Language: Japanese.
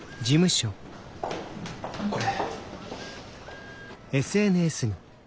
これ。